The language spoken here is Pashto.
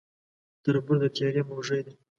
تر بور د تيارې موږى دى.